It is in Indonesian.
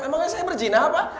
emangnya saya berjinah apa